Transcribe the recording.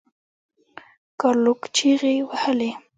ګارلوک چیغې وهلې.